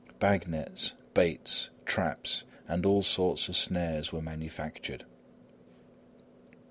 Bag nets, baits, traps and all sorts of snares were manufactured.